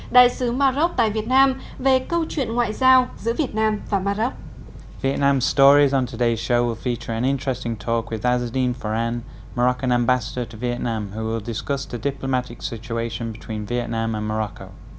đây là một bài hát của đại sứ ajardine farhan đại sứ mà rốc tại việt nam về câu chuyện ngoại giao giữa việt nam và mà rốc